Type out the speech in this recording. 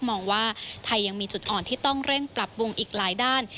มองว่าไทยยังมีจุดอ่อนที่ต้องเร่งปรับปรุงอีกหลายด้าน